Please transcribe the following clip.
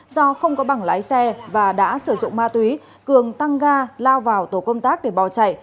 do không có bảng lái xe và đã sử dụng ma túy cường tăng ga lao vào tổ công tác để bò chạy